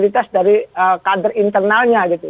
identitas dari kader internalnya gitu